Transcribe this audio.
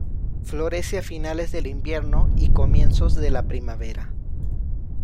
Florece a finales del Invierno y comienzos de la Primavera.